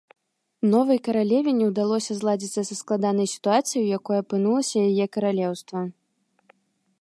Новай каралеве не ўдалося зладзіцца са складанай сітуацыяй, у якой апынулася яе каралеўства.